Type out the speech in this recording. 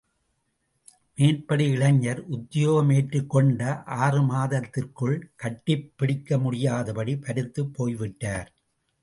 மேற்படி இளைஞர் உத்யோகம் ஏற்றுக் கொண்ட ஆறுமாதத்திற்குள் கட்டி பிடிக்க முடியாதபடி பருத்துப் போய்விட்டார்.